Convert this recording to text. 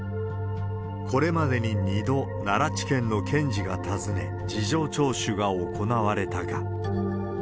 これまでに２度、奈良地検の検事が訪ね、事情聴取が行われたが。